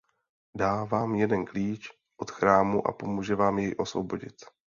Dá vám jeden klíč od chrámu a pomůže vám jej osvobodit.